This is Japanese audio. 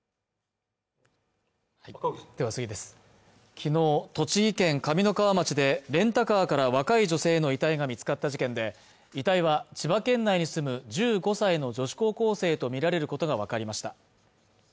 昨日、栃木県上三川町でレンタカーから若い女性の遺体が見つかった事件で遺体は千葉県内に住む１５歳の女子高校生と見られることが分かりました